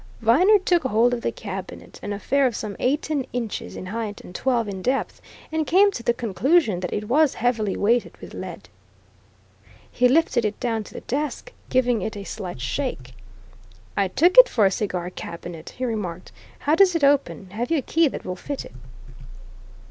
Viner took hold of the cabinet an affair of some eighteen inches in height and twelve in depth and came to the conclusion that it was heavily weighted with lead. He lifted it down to the desk, giving it a slight shake. "I took it for a cigar cabinet," he remarked. "How does it open? Have you a key that will fit it?"